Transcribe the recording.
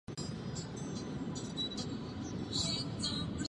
Od té doby žije pod policejní ochranou.